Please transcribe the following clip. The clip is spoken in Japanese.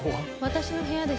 私の部屋です。